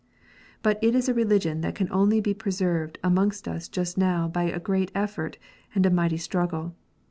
But it is a religion that can only be preserved amongst us just now by a great effort, and a mighty struggle.